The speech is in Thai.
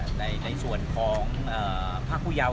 ไม่ใช่นี่คือบ้านของคนที่เคยดื่มอยู่หรือเปล่า